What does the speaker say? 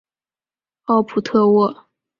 奥普特沃。